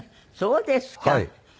そうですか。